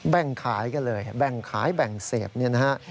แบ่งขายกันเลยแบ่งขายแบ่งเสพเนี่ยนะฮะ